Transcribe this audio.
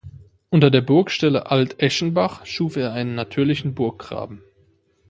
Unter der Burgstelle Alt-Eschenbach schuf er einen natürlichen Burggraben.